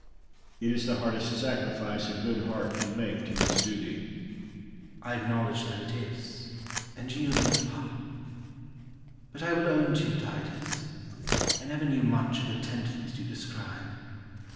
It is the hardest sacrifice a good heart can make to its duty. Scipio. I acknowledge that it is, and yield you the palm. But I will own to you, Titus, I never knew much of the tenderness you describe.